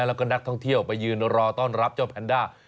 แล้วก็นักท่องเที่ยวไปยืนรอต้อนรับเจ้าแพนด้า